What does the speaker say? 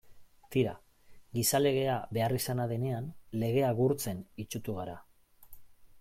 Tira, gizalegea beharrizana denean legea gurtzen itsutu gara.